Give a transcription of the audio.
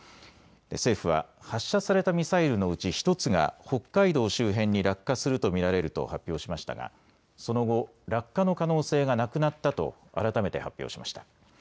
政府は発射されたミサイルのうち１つが北海道周辺に落下すると見られると発表しましたがその後、落下の可能性がなくなったと改めて発表しました。